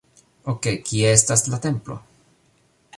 Okej, kie estas la templo?